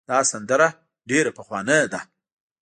دا سندره ډېره پخوانۍ ده.